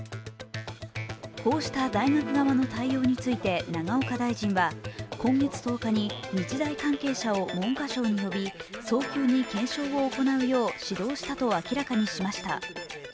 こうした大学側の対応について永岡大臣は今月１０日に日大関係者を文科省に呼び早急に検証を行うよう指導したと明らかにしました。